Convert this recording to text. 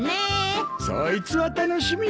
そいつは楽しみだ。